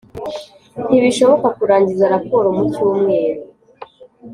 ntibishoboka kurangiza raporo mucyumweru